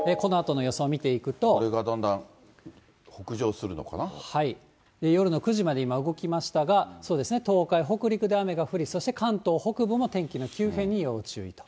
これがだんだん北上するのか夜の９時まで今、動きましたが、そうですね、東海、北陸で雨が降り、そして関東北部も天気の急変に要注意と。